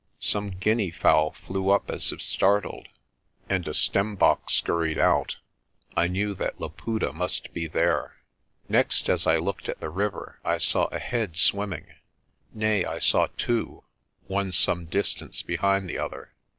Some guinea fowl flew up as if startled, and a stembok scurried out. I knew that Laputa must be there. Then, as I looked at the river, I saw a head swimming. Nay, I saw two, one some distance behind the other.